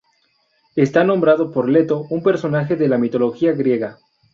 Está nombrado por Leto, un personaje de la mitología griega.